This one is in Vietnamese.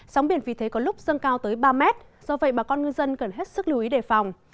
sóng biển vì thế có lúc dâng cao tới ba mét do vậy bà con ngư dân cần hết sức lưu ý đề phòng